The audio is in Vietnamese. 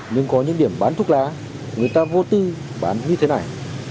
nhưng có những điểm bán thuốc lá người ta vô tư bán như thế này